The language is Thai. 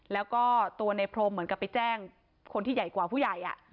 แล้วก็ตัวในพรมเหมือนกับไปแจ้งคนที่ใหญ่กว่าผู้ใหญ่